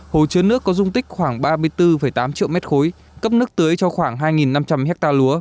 hồ chứa nước có dung tích khoảng ba mươi bốn tám triệu m ba cấp nước tưới cho khoảng hai năm trăm linh ha lúa